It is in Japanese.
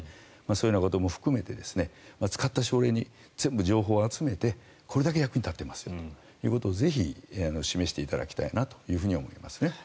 そういうようなことも含めて使った書類全部情報を集めて、これだけ役に立ってますよということをぜひ示していただきたいと思います。